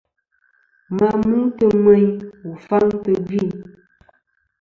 Ma mutɨ meyn wù faŋ tɨ̀ gvì.